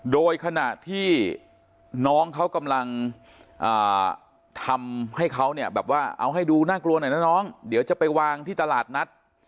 โดยขณะที่น้องเขากำลังทำให้เขาเนี่ยแบบว่าเอาให้ดูน่ากลัวหน่อยนะน้องเดี๋ยวจะไปวางที่ตลาดนัด